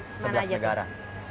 ke sebelas negara